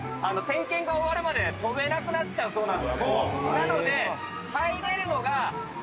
なので。